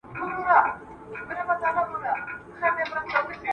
کاظم خان شیدا کارولي دي ,